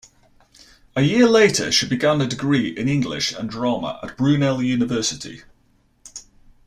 A year later she began a degree in English and Drama at Brunel University.